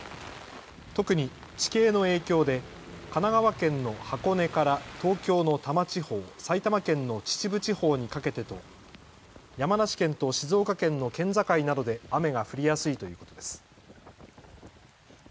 特に地形の影響で神奈川県の箱根から東京の多摩地方、埼玉県の秩父地方にかけてと山梨県と静岡県の県境などで雨が降りやすいということです。